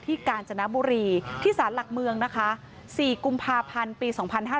ที่กาญจนบุรีที่ศาสตร์หลักเมืองสี่กุมภาพันธ์ปี๒๕๖๑